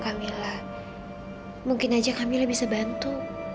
kak fadil bisa bantu